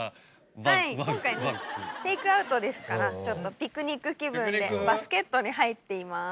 はい今回ねテイクアウトですからちょっとピクニック気分でバスケットに入っています。